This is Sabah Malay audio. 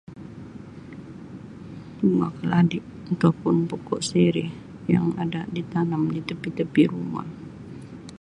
Bunga Keladi atau pun pokok Sirih yang ada di tanam di tepi tepi rumah.